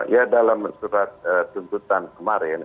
ya dalam surat tuntutan kemarin